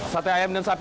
sate ayam dan sapi